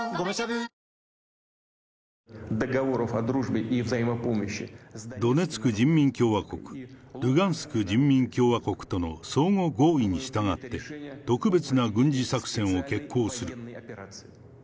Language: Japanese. ドネツク人民共和国、ルガンスク人民共和国との相互合意に従って、特別な軍事作戦を決行する。